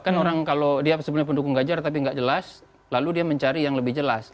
kan orang kalau dia sebenarnya pendukung ganjar tapi nggak jelas lalu dia mencari yang lebih jelas